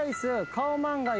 カオマンガイ。